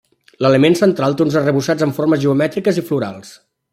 L'element central té uns arrebossats amb formes geomètriques i florals.